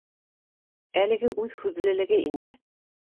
Әлеге үҙ һүҙлелеге инде